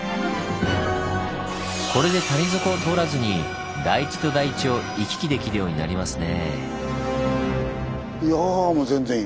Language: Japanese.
これで谷底を通らずに台地と台地を行き来できるようになりますね。